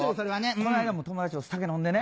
この間も友達と酒飲んでね。